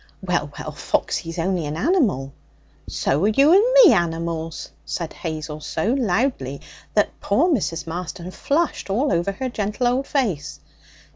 'Well, well, Foxy's only an animal.' 'So're you and me animals!' said Hazel so loudly that poor Mrs. Marston flushed all over her gentle old face.